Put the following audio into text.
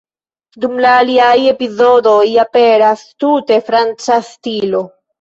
Dum en aliaj epizodoj aperas tute franca stilo.